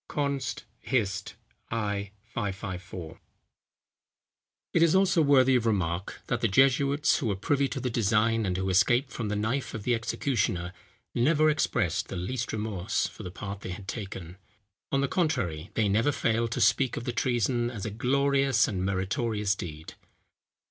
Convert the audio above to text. Const. Hist. i. 554.] It is also worthy of remark, that the jesuits who were privy to the design, and who escaped from the knife of the executioner, never expressed the least remorse for the part they had taken; on the contrary, they never failed to speak of the treason as a glorious and meritorious deed.